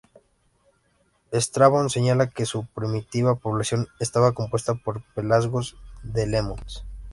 Estrabón señala que su primitiva población estaba compuesta por pelasgos de Lemnos.